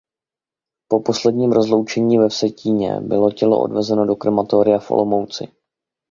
Po posledním rozloučení ve Vsetíně bylo tělo odvezeno do krematoria v Olomouci.